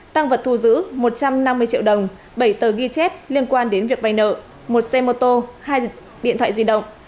tăng vật thu giữ một trăm năm mươi triệu đồng bảy tờ ghi chép liên quan đến việc vay nợ một xe mô tô hai điện thoại di động